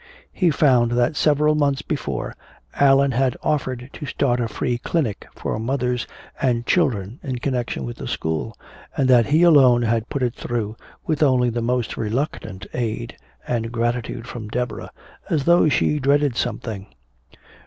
He found that several months before Allan had offered to start a free clinic for mothers and children in connection with the school, and that he alone had put it through, with only the most reluctant aid and gratitude from Deborah as though she dreaded something.